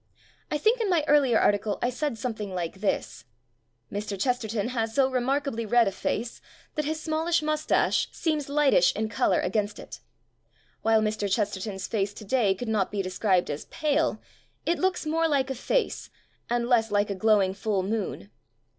I think in my earlier article I said something like this : Mr. Ches terton has so remarkably red a face that his smallish moustache seems lightish in color against it. While Mr. Chesterton's face today could not be described as pale, it looks more like a face and less like a glowing full moon.